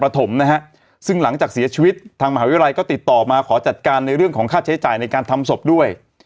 ติดต่อมาขอจัดการในเรื่องของค่าใช้จ่ายในการทำศพด้วย